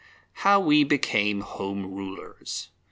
89.] HOW WE BECAME HOME RULERS.